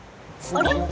あれ？